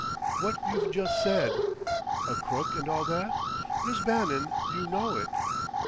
"What you've just said " "A crook and all that? Miss Bannon, you know it!"